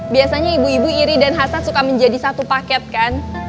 biasanya ibu ibu iri dan hasan suka menjadi satu paket kan